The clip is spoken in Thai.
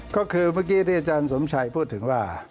ก็คือเมื่อกี้ที่อาจารย์สมชัยพูดถึงว่า